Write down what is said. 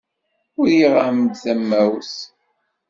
Uriɣ-am-d tamawt.